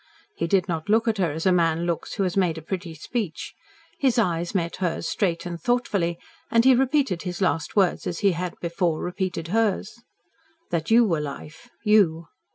He did not look at her as a man looks who has made a pretty speech. His eyes met hers straight and thoughtfully, and he repeated his last words as he had before repeated hers. "That YOU were Life you!"